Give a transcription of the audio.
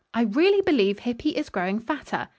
I really believe Hippy is growing fatter.